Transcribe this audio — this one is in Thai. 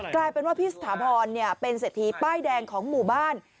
กลายเป็นว่าพี่สถาพรเป็นเศรษฐีป้ายแดงของหมู่บ้าน